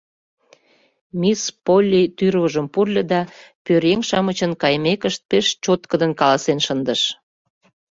Мисс Полли тӱрвыжым пурльо да, пӧръеҥ-шамычын кайымекышт, пеш чоткыдын каласен шындыш: